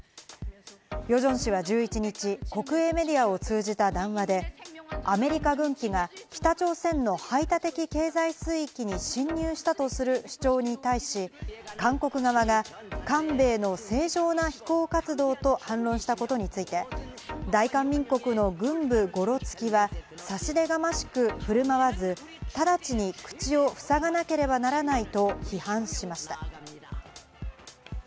ヨジョン氏は１１日、国営メディアを通じた談話で、アメリカ軍機が北朝鮮の排他的経済水域に侵入したとする主張に対し、韓国側が韓米の正常な飛行活動と反応したことについて、大韓民国の軍部ごろつきは差し出がましく振る舞わず、直ちに口をふさがなければならないと批判しました。